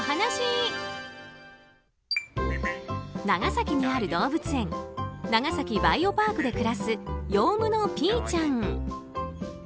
長崎にある動物園長崎バイオパークで暮らすヨウムのピーちゃん。